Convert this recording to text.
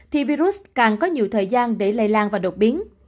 thì virus càng có nhiều thời gian để lây lan và đột biến